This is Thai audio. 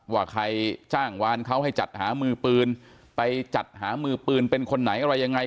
ว่าใครจ้างวานเขาให้จัดหามือปืนไปจัดหามือปืนเป็นคนไหนอะไรยังไง